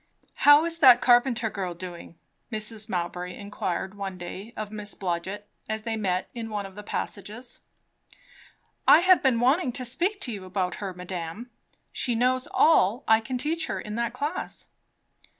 "How is that Carpenter girl doing?" Mrs. Mowbray inquired one day of Miss Blodgett, as they met in one of the passages. "I have been wanting to speak to you about her, madame. She knows all I can teach her in that class."